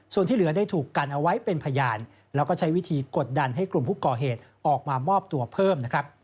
ส่วนที่เหลือได้ถูกกันเอาไว้เป็นพยานแล้วก็ใช้วิธีกดดันให้กลุ่มผู้ก่อเหตุออกมามอบตัวเพิ่มนะครับ